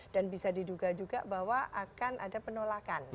dan bisa diduga juga bahwa akan ada penolakan